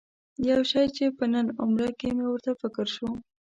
یو شی چې په نن عمره کې مې ورته فکر شو.